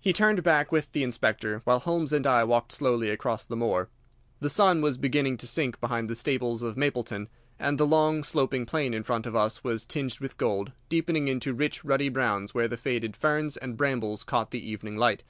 He turned back with the Inspector, while Holmes and I walked slowly across the moor. The sun was beginning to sink behind the stables of Mapleton, and the long, sloping plain in front of us was tinged with gold, deepening into rich, ruddy browns where the faded ferns and brambles caught the evening light.